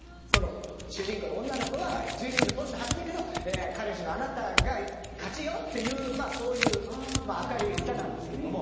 主人公の女の子はジュリーのポスター貼ってるけど彼氏のあなたが勝ちよっていうそういう明るい歌なんですけども。